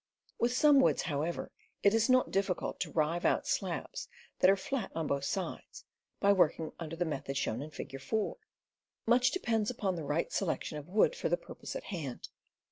With some woods, however, it is not difficult to rive out slabs that are flat on both sides, by working after the method shown in Figure 4. Much depends upon the right selection of wood for the purpose in hand.